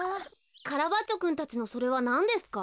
カラバッチョくんたちのそれはなんですか？